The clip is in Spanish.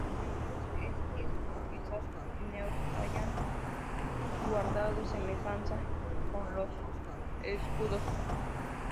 Los primeros esquíes, o quizá trineos, hayan guardado semejanza con los escudos.